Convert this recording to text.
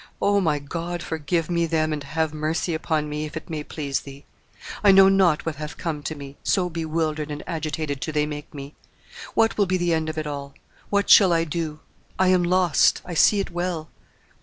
O, my God! forgive me them and have mercy upon me, if it may please Thee! I know not what hath come to me, so bewildered and agitated do they make me. What will be the end of it all? What shall I do? I am lost; I see it well.